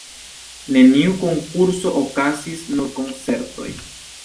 Neniu konkurso okazis, nur koncertoj.